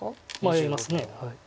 迷います。